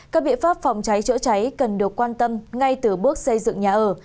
các biện pháp phòng cháy chữa cháy cần được quan tâm ngay từ bước xây dựng nhà ở